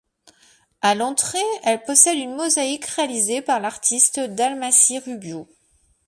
À l’entrée, elle possède une mosaïque réalisée par l'artiste Dalmati Rubio.